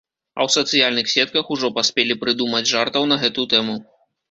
А ў сацыяльных сетках ужо паспелі прыдумаць жартаў на гэту тэму.